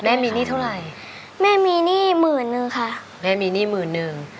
แม่มีหนี้เท่าไหร่แม่มีหนี้หมื่นนึงค่ะแม่มีหนี้หมื่นนึง